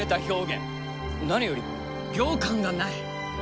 何より行間がない。